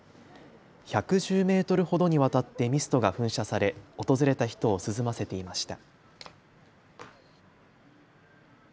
１１０メートルほどにわたってミストが噴射され訪れた人を涼ませていました。